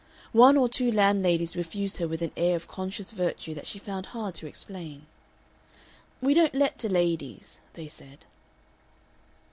One or two landladies refused her with an air of conscious virtue that she found hard to explain. "We don't let to ladies," they said.